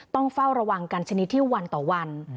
ต้องเฝ้าระวังกันชนิดที่วันต่อวัน